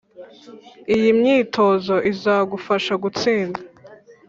Iyi myitozo izagufasha gutsinda